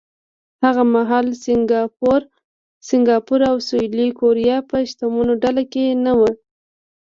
هغه مهال سینګاپور او سویلي کوریا په شتمنو ډله کې نه وو.